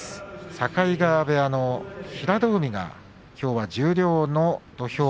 境川部屋の平戸海がきょうは十両の土俵。